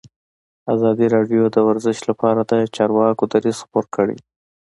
ازادي راډیو د ورزش لپاره د چارواکو دریځ خپور کړی.